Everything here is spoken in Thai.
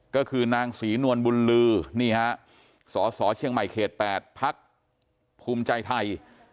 ก็คือนางศรีนวลบุญลือนี่ฮะสสเชียงใหม่เขต๘พักภูมิใจไทย